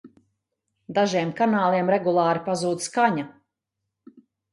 Dažiem kanāliem regulāri pazūd skaņa!